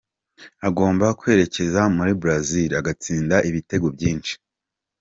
Agomba kwerekeza muri Brazil agatsinda ibitego byinshi.